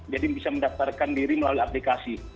jadi bisa mendaftarkan diri melalui aplikasi